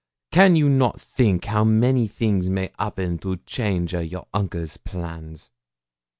Can you not think how many things may 'appen to change a your uncle's plans?